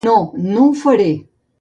No, no ho faré!